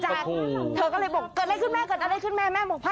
จากเธอก็เลยบอกเกิดอะไรขึ้นแม่